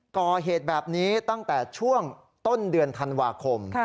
ก่อเหตุแบบนี้ตั้งแต่ช่วงต้นเดือนธันวาคม